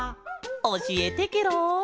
おしえてケロ！